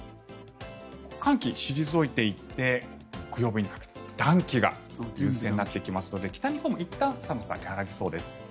寒気、退いていって木曜日にかけて暖気が優勢になってきますので北日本もいったん寒さは和らぎそうです。